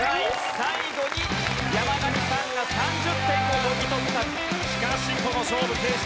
最後に山上さんが３０点をもぎ取った。